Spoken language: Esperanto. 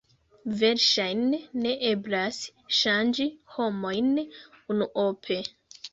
Verŝajne ne eblas ŝanĝi homojn unuope.